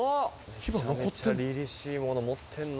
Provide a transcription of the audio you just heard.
めちゃめちゃ凛々しいもの持ってんな。